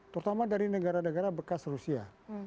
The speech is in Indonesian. terutama dari negara negara bekas rusia